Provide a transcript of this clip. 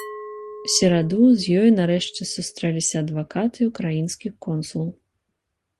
У сераду з ёй нарэшце сустрэліся адвакат і ўкраінскі консул.